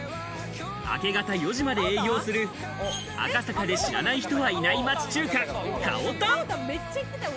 明け方４時まで営業する赤坂で知らない人はいない町中華・かおたん。